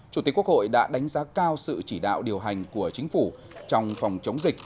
chủ tịch quốc hội đã đánh giá cao sự chỉ đạo điều hành của chính phủ trong phòng chống dịch